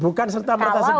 bukan serta merata seperti itu